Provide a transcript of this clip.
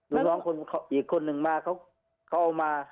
ลูกน้องอีกคนนึงมาเขาเอามา